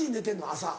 朝。